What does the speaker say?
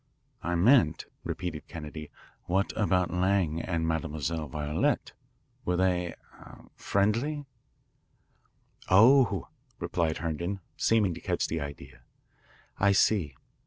"I meant," repeated Kennedy, "what about Lang and Mademoiselle Violette. Were they ah friendly?" "Oh," replied Herndon, seeming to catch the idea. "I see.